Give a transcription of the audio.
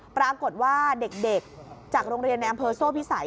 ปรากฏว่าเด็กจากโรงเรียนในอำเภอโซ่พิสัย